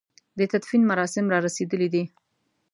د تدفين مراسم را رسېدلي دي.